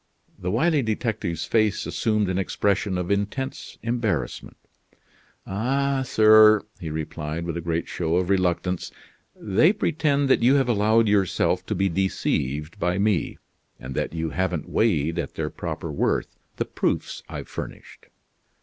The wily detective's face assumed an expression of intense embarrassment. "Ah! sir," he replied with a great show of reluctance, "they pretend that you have allowed yourself to be deceived by me, and that you haven't weighed at their proper worth the proofs I've furnished."